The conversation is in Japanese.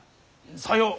さよう。